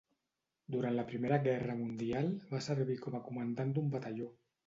Durant la Primera Guerra Mundial, va servir com a comandant d'un batalló.